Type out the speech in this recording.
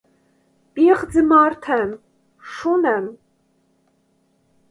պի՛ղծ մարդ եմ, շո՛ւն եմ…